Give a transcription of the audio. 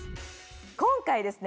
今回ですね